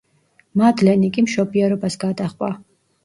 მადლენი კი მშობიარობას გადაჰყვა.